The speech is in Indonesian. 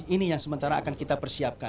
ini yang sementara akan kita persiapkan